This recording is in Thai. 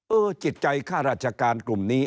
จิตใจข้าราชการกลุ่มนี้